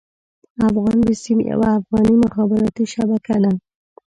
افغان بيسيم يوه افغاني مخابراتي شبکه ده.